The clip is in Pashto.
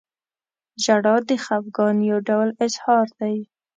• ژړا د خفګان یو ډول اظهار دی.